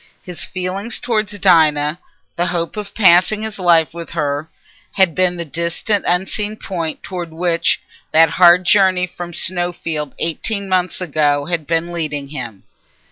His feeling towards Dinah, the hope of passing his life with her, had been the distant unseen point towards which that hard journey from Snowfield eighteen months ago had been leading him.